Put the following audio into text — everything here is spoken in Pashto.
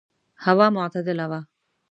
هوا معتدله وه.